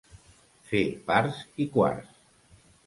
Fer parts i quarts.